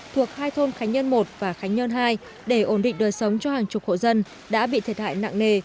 thuộc hai thôn khánh nhân i và khánh nhân ii để ổn định đời sống cho hàng chục hộ dân đã bị thiệt hại nặng nề